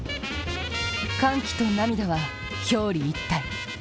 歓喜と涙は表裏一体。